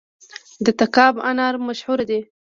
د تګاب انار مشهور دي